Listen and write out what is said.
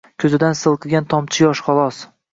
Ko’zidan silqigan tomchi yosh, xolos.